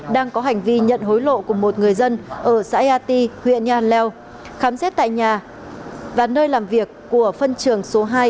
đang có hành vi nhận hối lộ của một người dân ở xã ea ti huyện ea leo khám xét tại nhà và nơi làm việc của phân trưởng số hai